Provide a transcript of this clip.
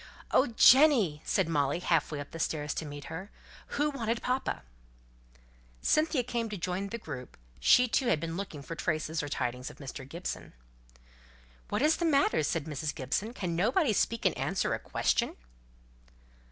"Oh, Jenny!" said Molly, half way up the stairs to meet her, "who wanted papa?" Cynthia came to join the group; she too had been looking for traces or tidings of Mr. Gibson. "What is the matter?" said Mrs. Gibson. "Can nobody speak and answer a question?"